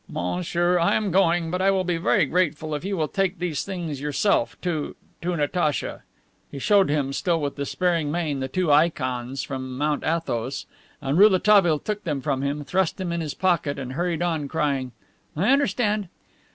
"Monsieur, I am going, but I will be very grateful if you will take these things yourself to to Natacha." He showed him, still with despairing mien, the two ikons from Mount Athos, and Rouletabille took them from him, thrust them in his pocket, and hurried on, crying, "I understand."